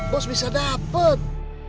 bos bisa dapet